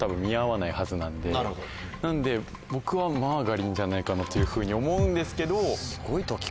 なので僕はマーガリンじゃないかなというふうに思うんですけど。